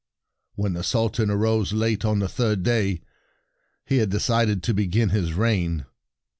"When the Sultan arose late on the third day, he had de cided to begin his reign.